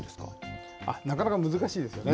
なかなか難しいですよね。